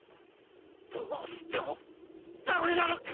どうしてもダメなのか？